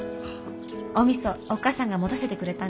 おみそおっ母さんが持たせてくれたんです。